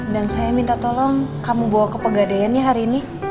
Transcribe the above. dan saya minta tolong kamu bawa ke pegadaiannya hari ini